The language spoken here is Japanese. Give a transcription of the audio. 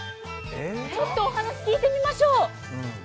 ちょっとお話、聞いてみましょう。